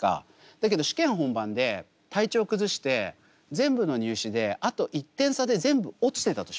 だけど試験本番で体調崩して全部の入試であと１点差で全部落ちてたとします。